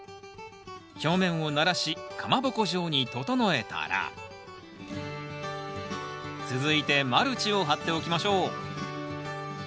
表面をならしかまぼこ状に整えたら続いてマルチを張っておきましょう